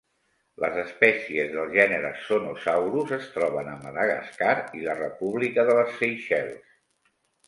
Les espècies del gènere "Zonosaurus" es troben a Madagascar i la República de les Seychelles.